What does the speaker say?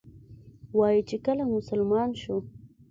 وایي چې کله مسلمان شو.